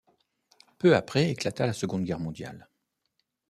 Peu après éclata la Seconde Guerre mondiale.